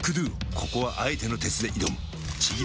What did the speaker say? ここはあえての鉄で挑むちぎり